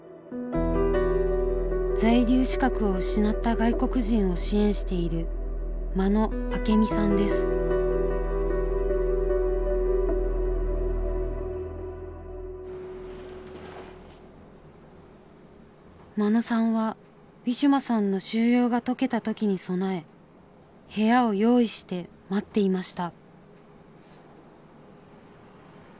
在留資格を失った外国人を支援している眞野さんはウィシュマさんの収容が解けた時に備え部屋を用意して待っていました。